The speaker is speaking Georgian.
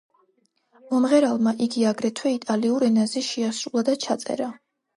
მომღერალმა იგი აგრეთვე იტალიურ ენაზე შეასრულა და ჩაწერა.